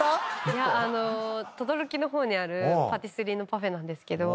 いや等々力の方にあるパティスリーのパフェなんですけど。